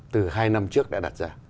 từ hai năm trước đã đặt ra